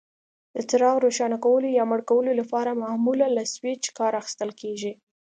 د څراغ روښانه کولو یا مړ کولو لپاره معمولا له سویچ کار اخیستل کېږي.